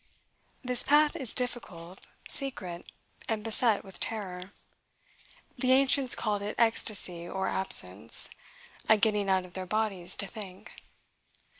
This path is difficult, secret, and beset with terror. The ancients called it ecstasy or absence, a getting out of their bodies to think.